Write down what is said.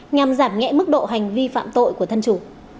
nhằm giảm nhẹ mức độ hành vi phạm tội của thân chủ